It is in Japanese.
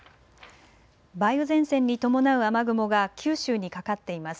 梅雨前線に伴う雨雲が九州にかかっています。